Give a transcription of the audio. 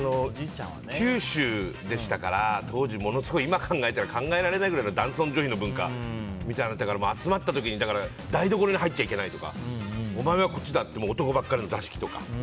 九州でしたから当時、ものすごい、今考えたら考えられないくらいの男尊女卑の文化みたいだったから集まった時に台所に入っちゃいけないとかお前はこっちだって男ばっかりの座敷とか。